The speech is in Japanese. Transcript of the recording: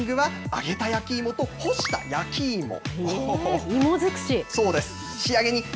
トッピングは、揚げた焼き芋と干した焼き芋。